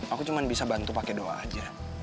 aku cuma bisa bantu pakai doa aja